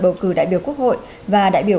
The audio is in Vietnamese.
bầu cử đại biểu quốc hội và đại biểu